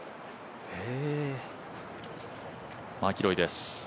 マキロイです。